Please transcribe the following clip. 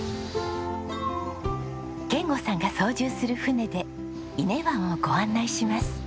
賢吾さんが操縦する船で伊根湾をご案内します。